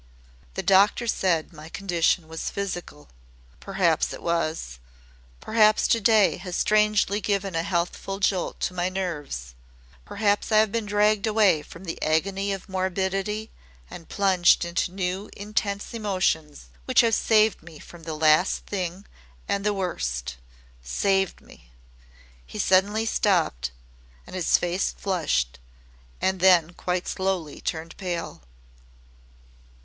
The doctors said my condition was physical. Perhaps it was perhaps to day has strangely given a healthful jolt to my nerves perhaps I have been dragged away from the agony of morbidity and plunged into new intense emotions which have saved me from the last thing and the worst SAVED me!" He stopped suddenly and his face flushed, and then quite slowly turned pale.